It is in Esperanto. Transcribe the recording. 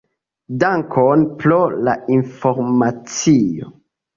Dankon pro la informacio.